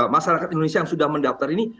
masyarakat indonesia yang sudah mendaftar ini